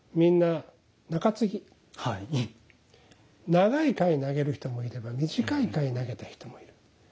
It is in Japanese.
長い回投げる人もいれば短い回投げた人もいる。